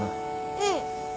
うん。